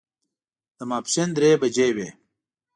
د ماسپښین درې بجې وې.